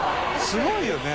すごいよね。